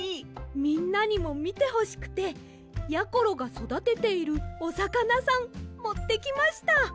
みんなにもみてほしくてやころがそだてているおさかなさんもってきました。